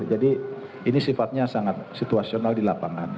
jadi ini sifatnya sangat situasional di lapangan